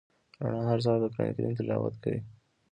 رڼا هر سهار د قران کریم تلاوت کوي.